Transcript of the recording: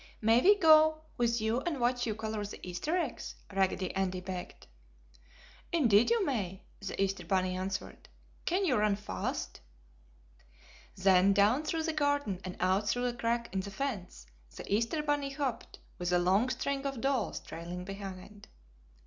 "May we go with you and watch you color the Easter eggs?" Raggedy Andy begged. "Indeed you may!" the Easter bunny answered. "Can you run fast?" Then down through the garden and out through a crack in the fence the Easter bunny hopped, with a long string of dolls trailing behind.